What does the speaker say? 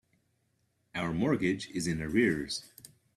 Our mortgage is in arrears.